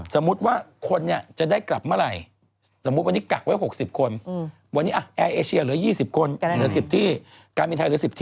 สมมุติว่าคนเนี่ยจะได้กลับเมื่อไหร่